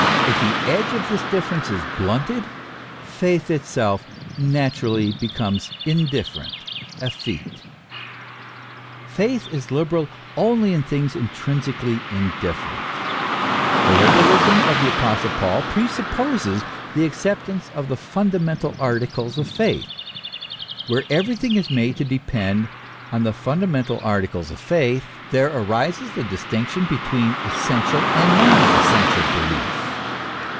If the edge of this difference is blunted, faith itself naturally becomes indifferent, effete. Faith is liberal only in things intrinsically indifferent. The liberalism of the apostle Paul presupposes the acceptance of the fundamental articles of faith. Where everything is made to depend on the fundamental articles of faith, there arises the distinction between essential and non essential belief.